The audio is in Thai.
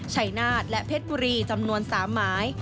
ชัยนาฏและเพชรบุรีจำนวน๓หมาย